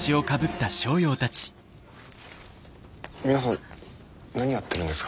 皆さん何やってるんですか？